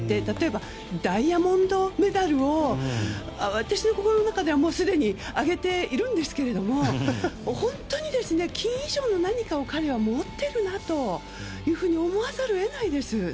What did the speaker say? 例えばダイヤモンドメダルを私の心の中ではすでにあげているんですけど本当に、金以上の何かを彼は持っているなと思わざるを得ないです。